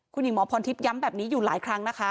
คุณหญิงหมอพรทิพย้ำแบบนี้อยู่หลายครั้งนะคะ